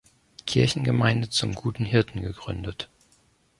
Kirchengemeinde „Zum Guten Hirten“ gegründet.